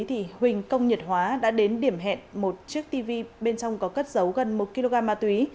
thì huỳnh công nhật hóa đã đến điểm hẹn một chiếc tv bên trong có cất giấu gần một kg ma túy